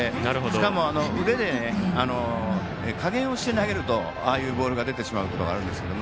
しかも、腕で加減をして投げるとああいうボールが出てしまうことがあるんですけど。